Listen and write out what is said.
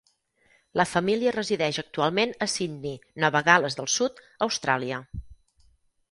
La família resideix actualment a Sidney, Nova Gal·les del Sud, Austràlia.